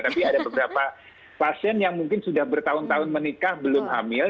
tapi ada beberapa pasien yang mungkin sudah bertahun tahun menikah belum hamil